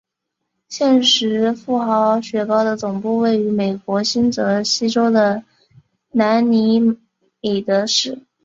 现时富豪雪糕的总部位于美国新泽西州的兰尼米德市。